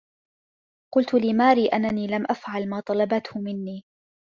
قُلتُ لِماري أَنني لَمْ أَفعَل ما طَلَبتهُ مِنِّي